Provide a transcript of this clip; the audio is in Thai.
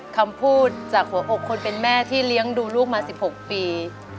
คำพูดจากหัวอกคนเป็นแม่ที่เลี้ยงดูลูกมา๑๖ปี